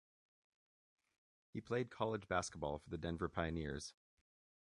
He played college basketball for the Denver Pioneers.